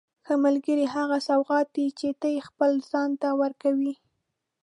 ښه ملګری هغه سوغات دی چې ته یې خپل ځان ته ورکوې.